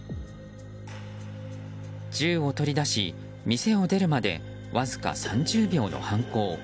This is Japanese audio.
銃を取り出し店を出るまでわずか３０秒の犯行。